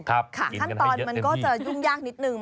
ขั้นตอนมันก็จะยุ่งยากนิดนึง